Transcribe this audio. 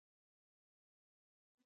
اصلي لهجې دوې دي: کندهارۍ او ننګرهارۍ